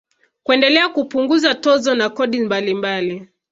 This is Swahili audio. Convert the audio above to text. Kuendelea kupunguza tozo na kodi mbalimbali